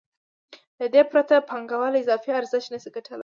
له دې پرته پانګوال اضافي ارزښت نشي ګټلی